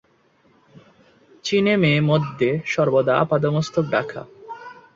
চীনে মেয়ে-মদ্দে সর্বদা আপাদমস্তক ঢাকা।